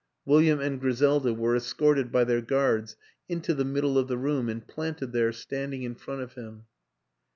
William and Griselda were escorted by their guards into the middle of the room and planted there, stand ing in front of him.